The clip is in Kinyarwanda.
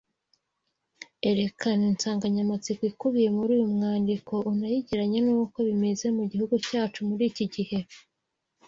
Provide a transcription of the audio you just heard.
Erekana insanganyamatsiko ikubiye muri uyu mwandiko unayigereranye n’uko bimeze mu Gihugu cyacu muri iki gihe.